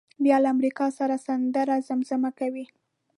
بیا له امریکا سره سندره زمزمه کوي.